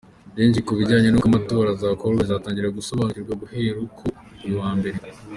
Byinshi ku bijyanye n’uko amatora azakorwa bikazatangira gusobanurwa guhera kuri uyu wa mbere.